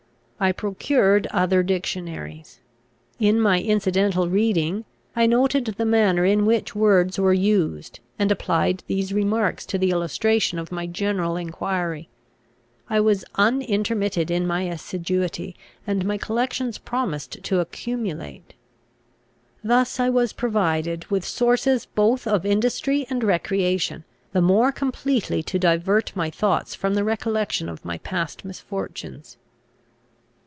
I procured other dictionaries. In my incidental reading, I noted the manner in which words were used, and applied these remarks to the illustration of my general enquiry. I was unintermitted in my assiduity, and my collections promised to accumulate. Thus I was provided with sources both of industry and recreation, the more completely to divert my thoughts from the recollection of my past misfortunes.